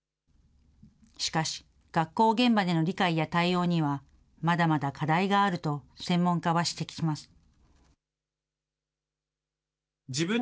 しかし、学校現場での理解や対応には、まだまだ課題があると、専門家は指摘します。